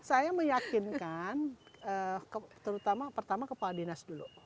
saya meyakinkan terutama pertama kepala dinas dulu